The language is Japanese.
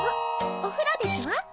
お風呂ですわ。